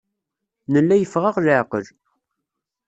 Nella yeffeɣ-aɣ leɛqel.